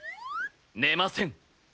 寝ません。